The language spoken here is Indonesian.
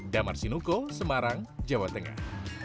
damar sinuko semarang jawa tengah